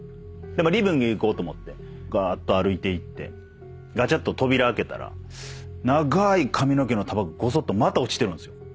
でリビング行こうと思ってがーっと歩いていってガチャッと扉開けたら長ーい髪の毛の束ごそっとまた落ちてるんですよ。